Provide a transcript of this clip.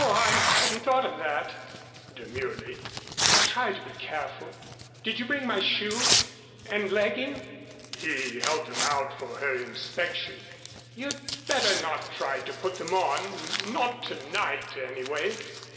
I hadn't thought of that," demurely. "I'll try to be careful. Did you bring my shoe and legging?" He held them out for her inspection. "You'd better not try to put them on not to night, anyway.